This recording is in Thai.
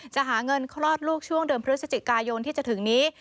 จะหาเงินคลอดลูกช่วงเดือนพฤศจิกายนที่จะถึงนี้